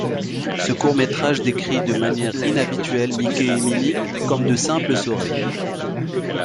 Ce court métrage décrit de manière inhabituelle Mickey et Minnie comme de simples souris.